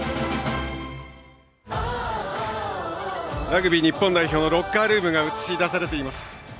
ラグビー日本代表ロッカールームが映し出されています。